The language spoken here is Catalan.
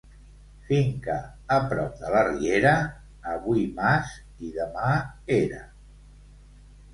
Finca a prop de la riera, avui mas i demà era.